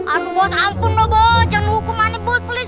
aduh bos ampun loh bos jangan hukum ani bos please bos